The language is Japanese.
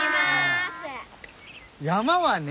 山はね